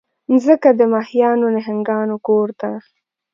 مځکه د ماهیانو، نهنګانو کور ده.